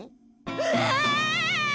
うわ！